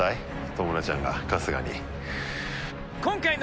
トムラちゃんが春日に。